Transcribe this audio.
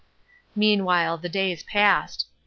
Meanwhile the days passed.